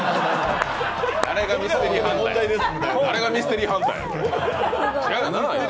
誰がミステリーハンターや。